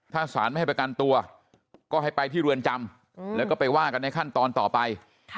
ถ้าสารไม่ให้ประกันตัวก็ให้ไปที่เรือนจำแล้วก็ไปว่ากันในขั้นตอนต่อไป